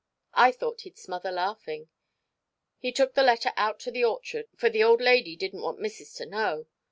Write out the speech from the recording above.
I thought he'd smother laughing. He took the letter out to the orchard, for the old lady didn't want missis to know.